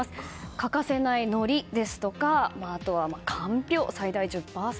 欠かせないのりですとかかんぴょうは最大１０％。